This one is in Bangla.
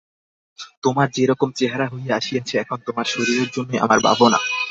তোমার যে-রকম চেহারা হইয়া আসিয়াছে এখন তোমার শরীরের জন্যই আমার ভাবনা।